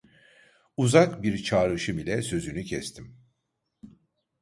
Uzak bir çağrışım ile sözünü kestim: